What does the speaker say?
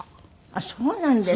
あっそうなんですか。